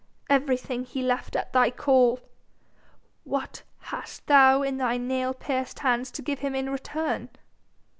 Everything he left at thy call! What hast thou in thy nail pierced hands to give him in return?"